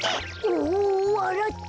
おおわらった！